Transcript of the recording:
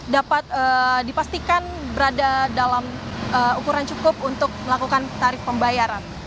dapat dipastikan berada dalam ukuran cukup untuk melakukan tarif pembayaran